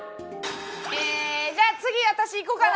ええーじゃあ次私いこうかな！